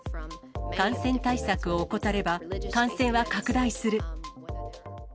感染対策を怠れば、感染は拡大する。